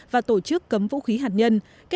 và tổ chức cấm vũ khí hạt nhân